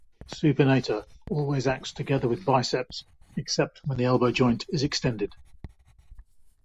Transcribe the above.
Supinator always acts together with biceps, except when the elbow joint is extended.